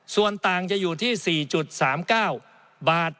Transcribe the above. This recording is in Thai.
ส่วนต่างจะอยู่ที่๔๓๙บาท